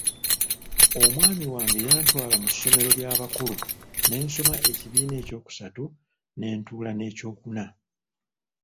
Omwami wange yantwala mu ssomero ly'abakulu ne nsoma ekibiina ekyokusatu ne ntuula n'ekyokuna.